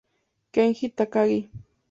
Kenji Takagi